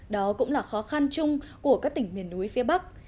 đó cũng là khó khăn chung của các tỉnh miền núi phía bắc